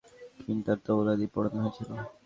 আলোকসজ্জায় তিন হাজার কিনতার তৈলাদি পোড়ানো হয়েছিল।